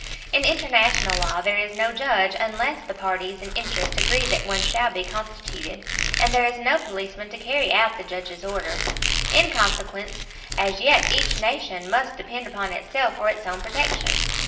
In international law there is no judge, unless the parties in interest agree that one shall be constituted; and there is no policeman to carry out the judge's orders. In consequence, as yet each nation must depend upon itself for its own protection.